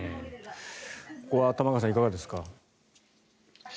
ここは玉川さんいかがですか？